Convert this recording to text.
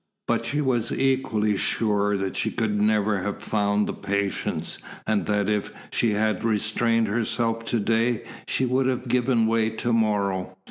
But she was equally sure that she could never have found the patience, and that if she had restrained herself to day she would have given way to morrow.